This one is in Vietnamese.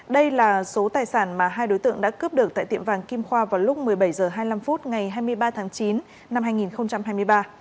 đây là số tài sản mà hai đối tượng đã cướp được tại tiệm vàng kim khoa vào lúc một mươi bảy h hai mươi năm ngày hai mươi ba tháng chín năm hai nghìn hai mươi ba